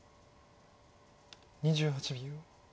２８秒。